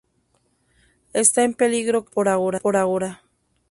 Está en peligro crítico por ahora.